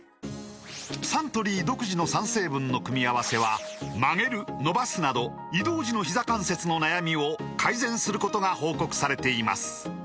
サントリー独自の３成分の組み合わせは曲げる伸ばすなど移動時のひざ関節の悩みを改善することが報告されています